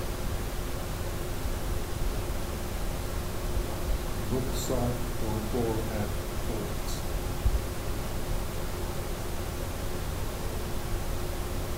Book sot for four at Fowlkes